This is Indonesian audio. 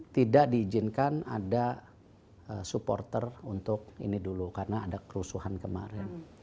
tidak diizinkan ada supporter untuk ini dulu karena ada kerusuhan kemarin